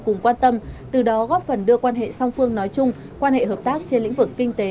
cùng quan tâm từ đó góp phần đưa quan hệ song phương nói chung quan hệ hợp tác trên lĩnh vực kinh tế